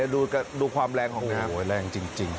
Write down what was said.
ดูความแรงของน้ำแรงจริง